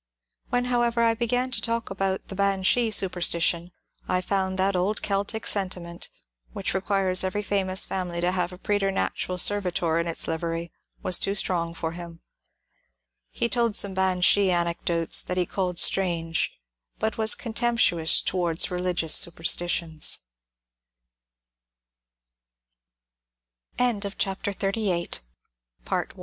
When, however, I began to talk about the ^* ban shee " superstition, I found that old Celtic sentiment, which requires every famous family to have a preternatural servitor in its livery, was too strong for hinL He told some banshee anecdotes that he called ^^ strange," but was contemptuous tovrards religious superstitio